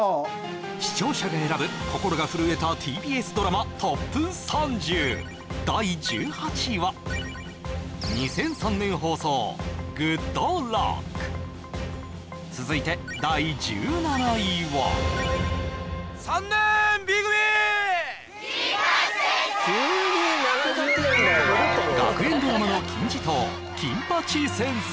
視聴者が選ぶ心が震えたＴＢＳドラマＴＯＰ３０第１８位は２００３年放送続いて第１７位は３年Ｂ組金八先生学園ドラマの金字塔「金八先生」